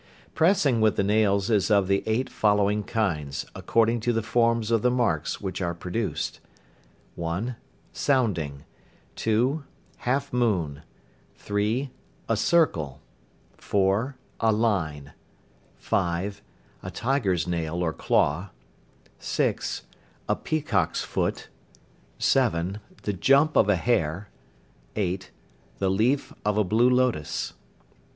Pressing with the nails is of the eight following kinds, according to the forms of the marks which are produced, viz.: 1. Sounding. 2. Half moon. 3. A circle. 4. A line. 5. A tiger's nail or claw. 6. A peacock's foot. 7. The jump of a hare. 8. The leaf of a blue lotus.